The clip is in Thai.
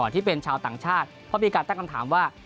ที่เป็นชาวต่างชาติเพราะมีการตั้งคำถามว่า